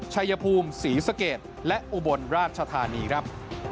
ชัยภูมิศรีสะเกดและอุบลราชธานีครับ